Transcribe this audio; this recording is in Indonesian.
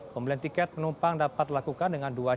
pembelian tiket penumpang dapat dilakukan dengan dua jam